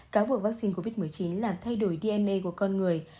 cáo buộc vaccine covid một mươi chín làm thay đổi dna của con người